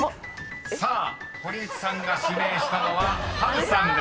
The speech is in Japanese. ［さあ堀内さんが指名したのは波瑠さんです］